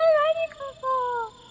ここ。